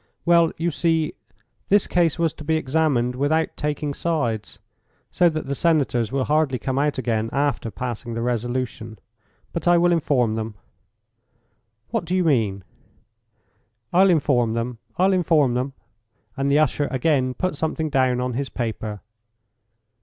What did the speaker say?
"Well, you see, this case was to be examined without taking sides, so that the senators will hardly come out again after passing the resolution. But I will inform them." "What do you mean?" "I'll inform them; I'll inform them." And the usher again put something down on his paper.